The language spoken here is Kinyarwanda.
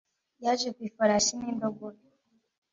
yaje ku ifarasi n indogobe